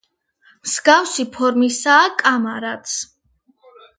მსგავსი ფორმისაა კამარაც.